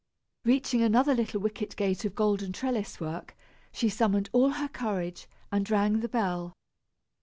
Reaching another little wicket gate of golden trellis work, she summoned all her courage and rang the bell.